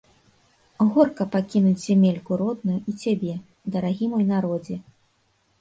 Горка пакінуць зямельку родную і цябе, дарагі мой народзе.